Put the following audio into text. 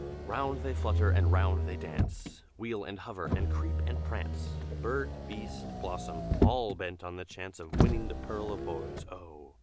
"Round they flutter, and round they dance, Wheel and hover and creep and prance, Bird, beast, blossom, all bent on the chance Of winning the pearl of boys, oh!